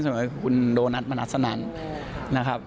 คือคุณโดนัทมะนัดสะนันนะครับ